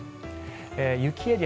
雪エリア